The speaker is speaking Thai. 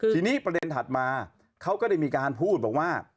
ทีนี้ประเด็นถัดมาเขาก็ได้มีการพูดบอกว่า